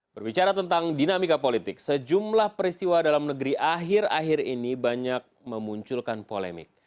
berbicara tentang dinamika politik sejumlah peristiwa dalam negeri akhir akhir ini banyak memunculkan polemik